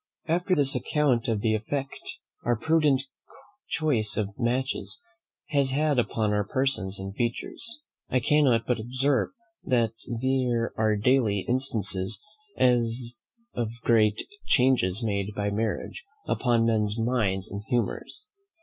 After this account of the effect our prudent choice of matches has had upon our persons and features, I cannot but observe that there are daily instances of as great changes made by marriage upon men's minds and humours.